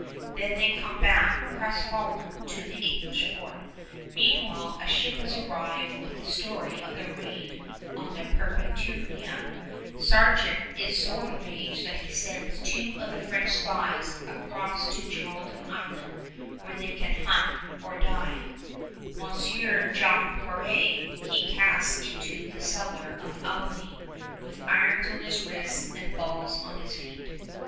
Then they come back crestfallen to the English fort. Meanwhile a ship has arrived with the story of the raid on the Perpetuana. Sargeant is so enraged that he sends two of the French spies across to Charlton Island, where they can hunt or die; Monsieur Jan Peré he casts into the cellar of Albany with irons on his wrists and balls on his feet.